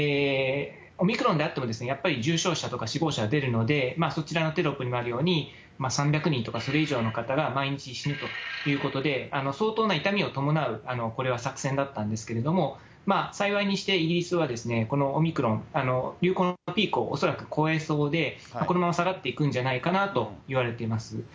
オミクロンであっても、やっぱり重症者とか死亡者が出るので、そちらのテロップにもあるように、３００人とかそれ以上の方が毎日死ぬということで、相当な痛みを伴う、これは作戦だったんですけれども、幸いにしてイギリスは、このオミクロン、流行のピークを恐らく越えそうで、このまま下がっていくんじゃないかなといわれています。